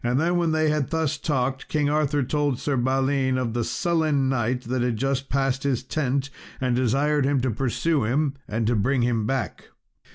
Then when they had thus talked, King Arthur told Sir Balin of the sullen knight that had just passed his tent, and desired him to pursue him and to bring him back.